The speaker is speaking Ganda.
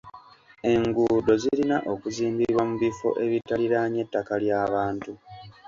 Enguudo zirina okuzimbibwa mu bifo ebitariraanye ttaka lya bantu.